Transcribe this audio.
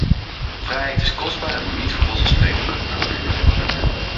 Vrijheid is kostbaar en moet niet voor vanzelfsprekend worden gehouden.